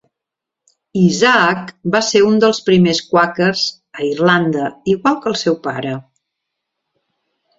Isaac va ser un dels primers quàquers a Irlanda, igual que el seu pare.